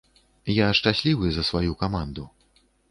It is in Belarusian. Я шчаслівы за сваю каманду.